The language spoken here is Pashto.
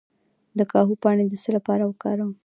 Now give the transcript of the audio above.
د کاهو پاڼې د څه لپاره وکاروم؟